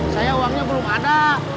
saya uangnya belum ada